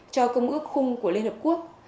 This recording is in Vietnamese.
cho công ước khung của liên hợp quốc